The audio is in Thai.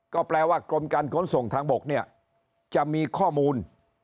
ก็แปลว่ากรมการขนส่งทางบกเนี่ยจะมีข้อมูล